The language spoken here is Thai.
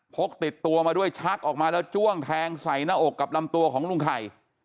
กติดตัวมาด้วยชักออกมาแล้วจ้วงแทงใส่หน้าอกกับลำตัวของลุงไข่